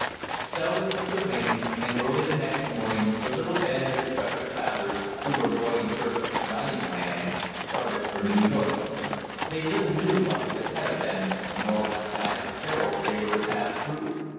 So it was arranged, and early the next morning the little band of intrepid travelers, who were going in search of giant land, started for New York. They little knew what was ahead of them, nor what dire perils they were to pass through.